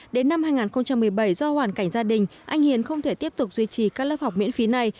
đến năm hai nghìn một mươi bảy do hoàn cảnh gia đình anh hiền không thể tiếp tục duy trì các lớp học miễn phí này